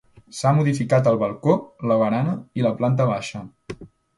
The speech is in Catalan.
S'ha modificat el balcó, la barana i la planta baixa.